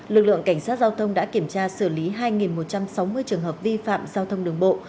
lực lượng cảnh sát giao thông đã kiểm tra xử lý hai một trăm sáu mươi trường hợp vi phạm giao thông đường bộ